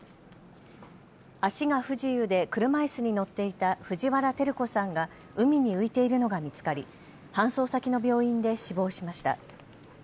足が不自由で車いすに乗っていた藤原照子さんが海に浮いているのが見つかり搬送先の病院で死亡しました。